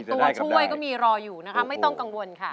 ตัวช่วยก็มีรออยู่นะคะไม่ต้องกังวลค่ะ